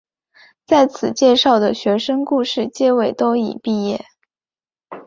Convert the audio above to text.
在此介绍的学生故事结尾都已毕业。